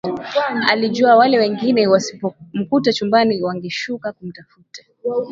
Alijua wale wengine wasipomkuta chumbani wangeshuka kumtafuta